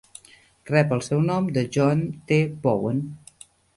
Rep el seu nom de John T. Bowen.